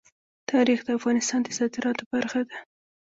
تاریخ د افغانستان د صادراتو برخه ده.